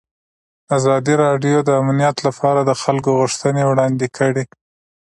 ازادي راډیو د امنیت لپاره د خلکو غوښتنې وړاندې کړي.